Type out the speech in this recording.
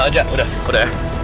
jat udah udah ya